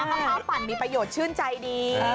มะพร้าวปั่นมีประโยชน์ชื่นใจดี